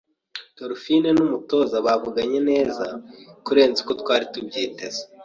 Dolphine numutoza bavuganye neza kurenza uko twari tubyiteze.